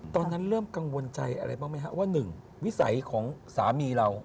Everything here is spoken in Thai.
ตอนนั้นเริ่มกังวลใจอะไรบ้างไหมฮะว่าหนึ่งวิสัยของสามีเรา